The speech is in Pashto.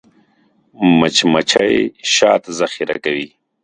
مچمچۍ شات ذخیره کوي